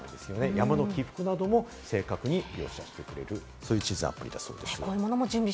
山の起伏なども正確に描写できる、そういう地図アプリだそうです。